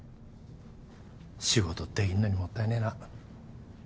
仕事できんのにもったいねぇな。